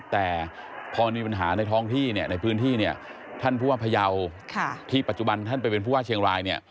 แต่พอมีปัญหาในท้องที่ในพื้นที่ท่านผู้ว่าพยาวที่ปัจจุบันท่านเป็นผู้ว่าเชียงราย